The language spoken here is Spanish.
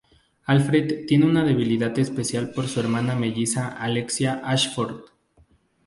Alfred tiene una debilidad especial por su hermana melliza Alexia Ashford.